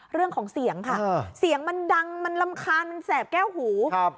เรื่องของเสียงค่ะเสียงมันดังมันรำคาญมันแสบแก้วหูครับ